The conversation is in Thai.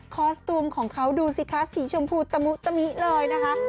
สตูมของเขาดูสิคะสีชมพูตะมุตะมิเลยนะคะ